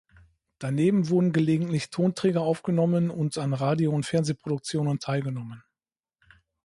Daneben wurden gelegentlich Tonträger aufgenommen und an Radio- und Fernsehproduktionen teilgenommen.